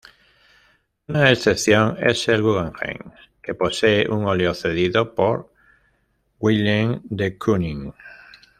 Una excepción es el Guggenheim, que posee un óleo cedido por Willem de Kooning.